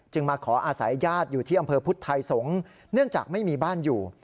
มาขออาศัยญาติอยู่ที่อำเภอพุทธไทยสงฆ์เนื่องจากไม่มีบ้านอยู่